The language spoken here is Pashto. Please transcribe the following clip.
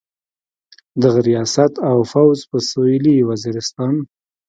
دغه ریاست او فوځ په سویلي وزیرستان.